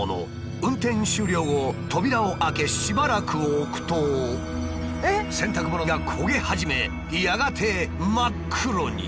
運転終了後扉を開けしばらく置くと洗濯物が焦げ始めやがて真っ黒に。